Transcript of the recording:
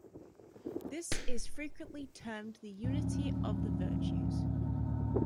This is frequently termed the Unity of the Virtues.